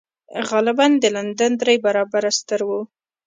غالباً د لندن درې برابره ستر و.